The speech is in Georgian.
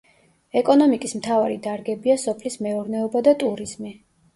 ეკონომიკის მთავარი დარგებია სოფლის მეურნეობა და ტურიზმი.